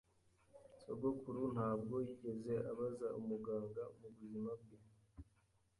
Sogokuru ntabwo yigeze abaza umuganga mubuzima bwe.